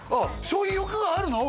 そういう欲があるの？